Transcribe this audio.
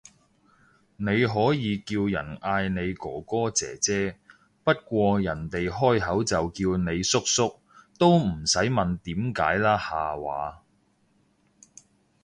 你可以叫人嗌你哥哥姐姐，不過人哋開口就叫你叔叔，都唔使問點解啦下話